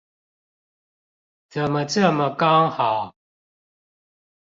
怎麼這麼剛好